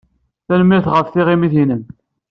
Tanemmirt ɣef tɣimit-nnem.